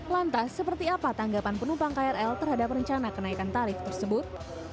lantas seperti apa tanggapan penumpang krl terhadap rencana kenaikan tarif tersebut